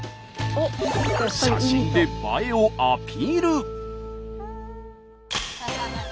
写真で映えをアピール！